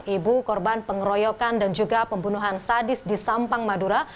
ibu korban pengeroyokan dan juga pembunuhan sadis di sampang madura